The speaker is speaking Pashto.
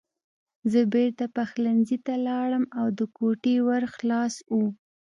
زه بېرته پخلنځي ته لاړم او د کوټې ور خلاص و